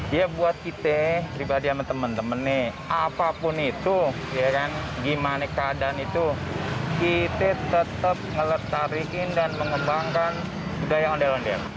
ya buat kita pribadi sama temen temennya apapun itu gimana keadaan itu kita tetap meletariin dan mengembangkan budaya ondel ondel